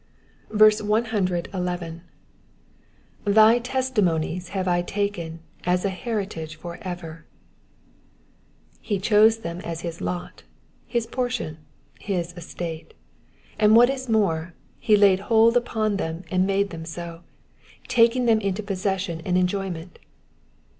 111. "TAy testimonies have I taken as an heritage for efter^ He chose them as his lot, his portion, his estate ; and what is more, he laid hold upon them and made them so, — taking them into possession and enjoy ment.